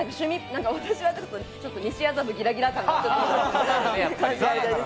私はちょっと西麻布ギラギラ感が。